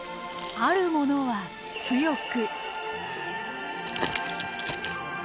あるものは美しく。